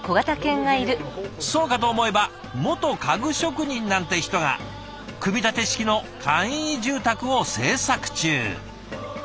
そうかと思えば元家具職人なんて人が組み立て式の簡易住宅を製作中！